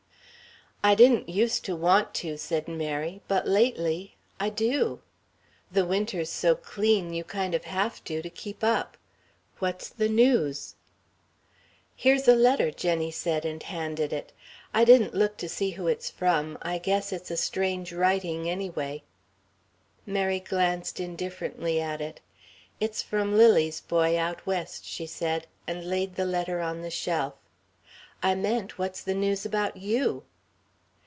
"I didn't use to want to," said Mary, "but lately I do. The Winter's so clean, you kind of have to, to keep up. What's the news?" "Here's a letter," Jenny said, and handed it. "I didn't look to see who it's from. I guess it's a strange Writing, anyway." Mary glanced indifferently at it. "It's from Lily's boy, out West," she said, and laid the letter on the shelf. "I meant, what's the news about you?"